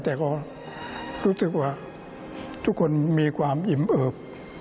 แต่ก็รู้สึกว่าทุกคนมีความอิ่มเอิบ